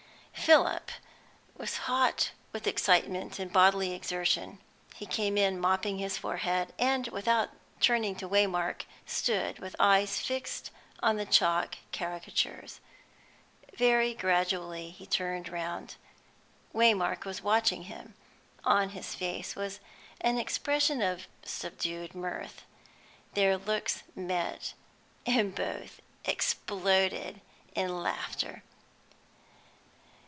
Philip was hot with excitement and bodily exertion; he came in mopping his forehead, and, without turning to Waymark, stood with eyes fixed on the chalk caricatures. Very gradually he turned round. Waymark was watching him, on his face an expression of subdued mirth. Their looks met, and both exploded in laughter.